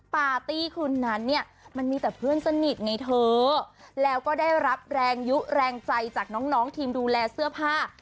ปาร์ตี้คืนนั้นเนี่ยมันมีแต่เพื่อนสนิทไงเธอแล้วก็ได้รับแรงยุแรงใจจากน้องน้องทีมดูแลเสื้อผ้า